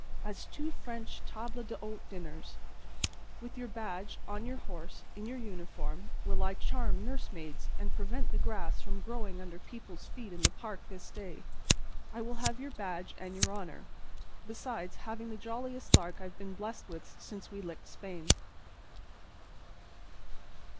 As two French table d'hôte dinners. With your badge, on your horse, in your uniform, will I charm nurse maids and prevent the grass from growing under people's feet in the Park this day. I will have your badge and your honor, besides having the jolliest lark I've been blessed with since we licked Spain."